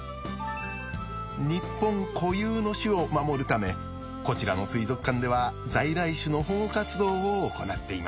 日本固有の種を守るためこちらの水族館では在来種の保護活動を行っています。